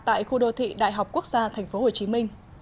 tại khu đô thị đại học quốc gia tp hcm